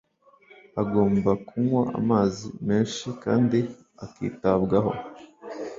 agomba kunywa amazi menshi kandi akitabwaho